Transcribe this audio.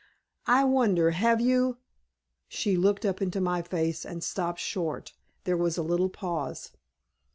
I wonder have you " She looked up into my face and stopped short. There was a little pause.